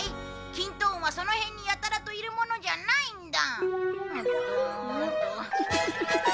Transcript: きんと雲はその辺にやたらといるものじゃないんだ。